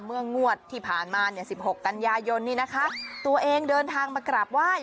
เมื่องวัดที่ผ่านมา๑๖กันยายนตัวเองเดินทางมากราบไหว้